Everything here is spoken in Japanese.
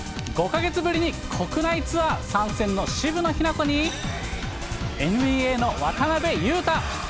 ５か月ぶりに国内ツアー参戦の渋野日向子に、ＮＢＡの渡邊雄太。